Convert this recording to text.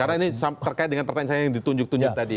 karena ini terkait dengan pertanyaan saya yang ditunjuk tunjuk tadi ya